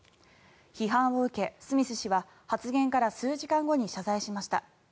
批判を受けスミス氏は発言から数時間後に謝罪しました。